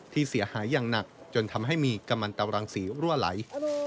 ที่เสียหายอย่างหนักจนทำให้มีกำลังตรังสีรั่วไหล